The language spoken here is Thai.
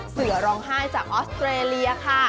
เสือร้องไห้จากออสเตรเลียค่ะ